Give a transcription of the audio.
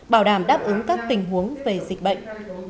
bảo đảm đáp ứng các tình huống về dịch bệnh